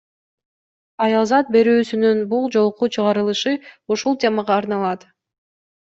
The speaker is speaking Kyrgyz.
Аялзат берүүсүнүн бул жолку чыгарылышы ушул темага арналат.